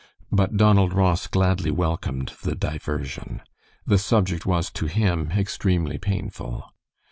But Donald Ross gladly welcomed the diversion. The subject was to him extremely painful.